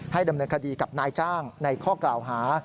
ดำเนินคดีกับนายจ้างในข้อกล่าวหา